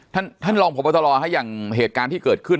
ท่านท่านรองโผดวัตรอให้ยังเหตุการณ์ที่เกิดขึ้น